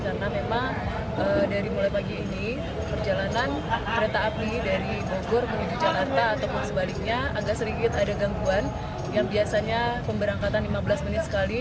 karena memang dari mulai pagi ini perjalanan kereta api dari bogor menuju jakarta ataupun sebaliknya agak sedikit ada gangguan yang biasanya pemberangkatan lima belas menit sekali jakarta bogor ataupun sebaliknya